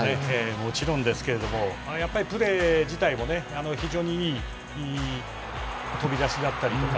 もちろんですけれどもやっぱりプレー自体も非常にいい、飛び出しだったりとか。